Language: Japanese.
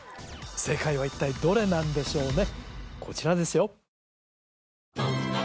正解は一体どれなんでしょうね